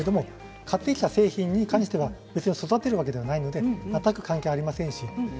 買ってきた製品については育てるわけではないので全く関係ありません。